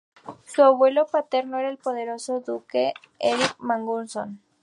Su abuelo paterno era el poderoso duque Erik Magnusson.